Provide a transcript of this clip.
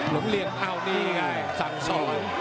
หลงเหลี่ยมเอานี่ไงสั่งซอย